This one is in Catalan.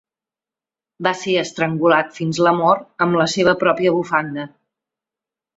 Va ser estrangulat fins la mort amb la seva pròpia bufanda.